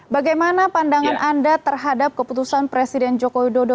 bagaimana pandangan anda terhadap keputusan presiden jokowi dodo